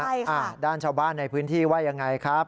ใช่ค่ะด้านชาวบ้านในพื้นที่ว่ายังไงครับ